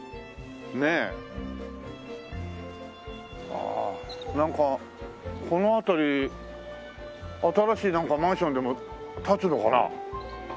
ああなんかこの辺り新しいマンションでも建つのかな？